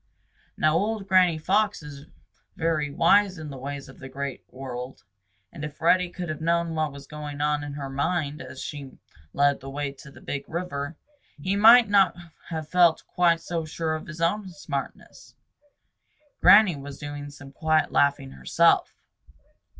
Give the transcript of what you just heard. Now old Granny Fox is very wise in the ways of the Great World, and if Reddy could have known what was going on in her mind as she led the way to the Big River, he might not have felt quite so sure of his own smartness. Granny was doing some quiet laughing herself.